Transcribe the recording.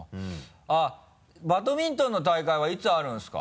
あっバドミントンの大会はいつあるんですか？